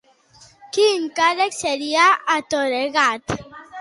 Quin càrrec se li ha atorgat?